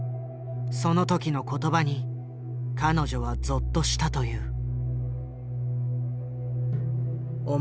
その時の言葉に彼女はゾッとしたという。